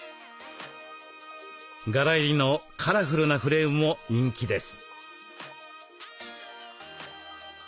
柄入りのカラフルなフレームも人気です。